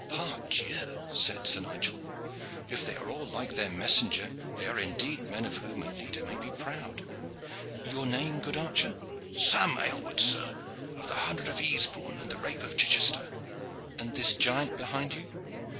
"Pardieu!" said Sir Nigel, "if they are all like their messenger, they are indeed men of whom a leader may be proud. Your name, good archer?" "Sam Aylward, sir, of the Hundred of Easebourne and the Rape of Chichester." "And this giant behind you?"